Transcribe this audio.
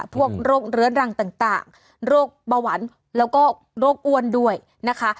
พวกโรคเรื้อรังต่างโรคเบาหวานแล้วก็โรคอ้วนด้วยนะคะ